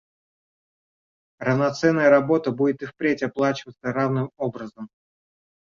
Равноценная работа будет и впредь оплачиваться равным образом.